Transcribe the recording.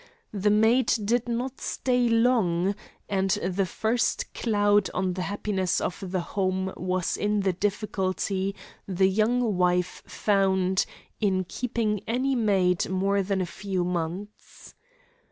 The maid did not stay long, and the first cloud on the happiness of the home was in the difficulty the young wife found in keeping any maid more than a few months.